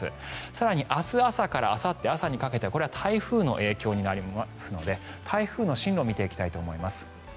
更に明日朝からあさって朝にかけてこれは台風の影響になりますので台風の進路を見ていきたいと思います。